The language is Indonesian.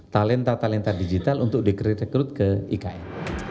talenta talenta digital untuk dikretekrut ke ikn